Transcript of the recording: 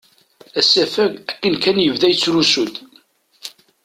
Asafag akken kan yebda yettrusu-d.